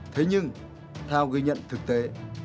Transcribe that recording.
thế nhưng theo ghi nhận thực tế